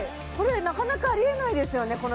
これなかなかありえないですよね